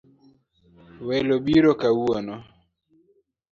Welo biro kawuono